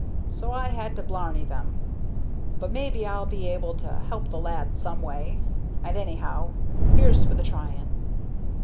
So I had to blarney them; but maybe I'll be able to help the lad some way; and, anyhow, here's for the trying."